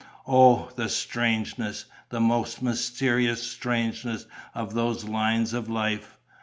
Oh, the strangeness, the most mysterious strangeness of those lines of life!